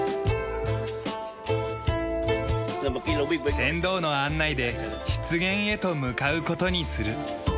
船頭の案内で湿原へと向かう事にする。